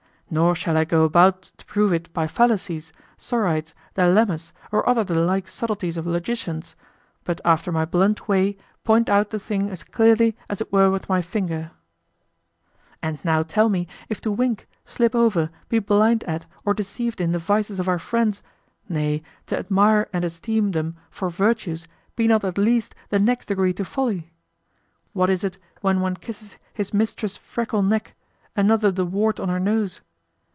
Nor shall I go about to prove it by fallacies, sorites, dilemmas, or other the like subtleties of logicians, but after my blunt way point out the thing as clearly as it were with my finger. And now tell me if to wink, slip over, be blind at, or deceived in the vices of our friends, nay, to admire and esteem them for virtues, be not at least the next degree to folly? What is it when one kisses his mistress' freckle neck, another the wart on her nose?